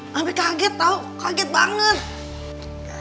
sampai kaget tau kaget banget